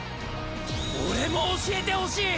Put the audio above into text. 俺も教えてほしい！